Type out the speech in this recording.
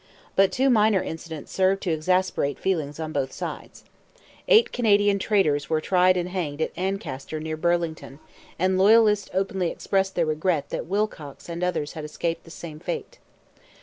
But two minor incidents served to exasperate feelings on both sides. Eight Canadian traitors were tried and hanged at Ancaster near Burlington; and Loyalists openly expressed their regret that Willcocks and others had escaped the same fate.